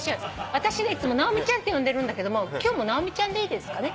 私ねいつも「直美ちゃん」って呼んでるんだけども今日も直美ちゃんでいいですかね？